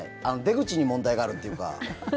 出口に問題があるというか。